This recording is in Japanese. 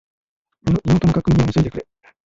身元の確認を急いでくれ。